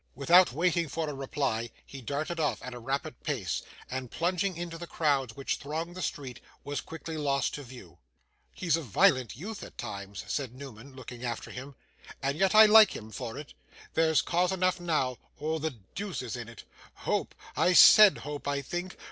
Without waiting for a reply, he darted off at a rapid pace, and, plunging into the crowds which thronged the street, was quickly lost to view. 'He's a violent youth at times,' said Newman, looking after him; 'and yet I like him for it. There's cause enough now, or the deuce is in it. Hope! I SAID hope, I think!